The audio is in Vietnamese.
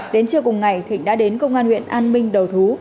đến trưa cùng ngày thịnh đã đến công an huyện an minh đầu thú